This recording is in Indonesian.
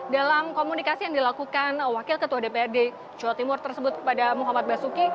dalam komunikasi yang dilakukan wakil ketua dprd jawa timur tersebut kepada muhammad basuki